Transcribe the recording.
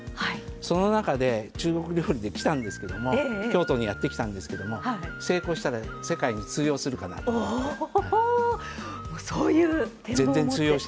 その中で、中国料理で京都にやって来たんですけれども成功したら、世界に通用するかなって。